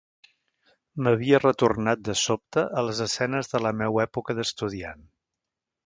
M'havia retornat de sobte a les escenes de la meua època d'estudiant.